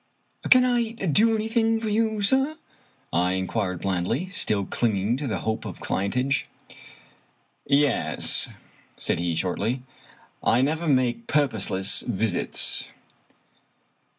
"Can I do anything for you, sir?" I inquired blandly, still clinging to the hope of clientage. " Yes," said he shortly ;" I never make purposeless visits."